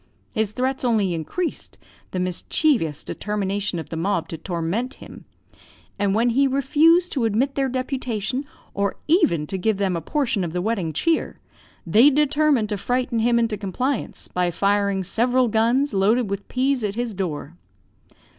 His threats only increased the mischievous determination of the mob to torment him; and when he refused to admit their deputation, or even to give them a portion of the wedding cheer, they determined to frighten him into compliance by firing several guns, loaded with peas, at his door.